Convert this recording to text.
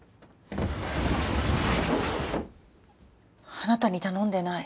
あなたに頼んでない。